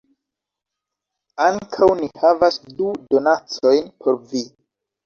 Ankaŭ ni havas du donacojn por vi